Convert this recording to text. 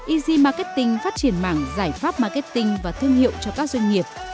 easy marketing phát triển mảng giải pháp marketing và thương hiệu cho các doanh nghiệp